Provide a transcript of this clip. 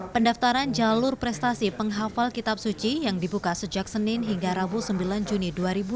pendaftaran jalur prestasi penghafal kitab suci yang dibuka sejak senin hingga rabu sembilan juni dua ribu dua puluh